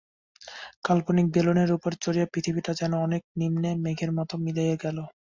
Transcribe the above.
কাল্পনিক বেলুনের উপরে চড়িয়া পৃথিবীটা যেন অনেক নিম্নে মেঘের মতো মিলাইয়া গেল।